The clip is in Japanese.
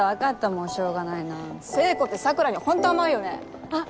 もうしょうがな聖子って桜にホント甘いよねあっ